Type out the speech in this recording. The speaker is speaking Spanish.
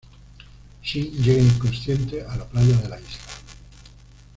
Shin llega inconsciente a la playa de la Isla.